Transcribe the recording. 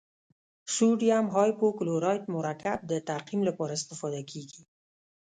سوډیم هایپوکلورایت مرکب د تعقیم لپاره استفاده کیږي.